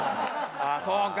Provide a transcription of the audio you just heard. ああそうか。